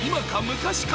昔か？